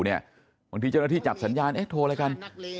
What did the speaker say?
บางทีเจ้าหน้าที่จับสัญญาณโทรอะไรกัน